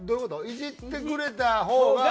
イジってくれたほうが。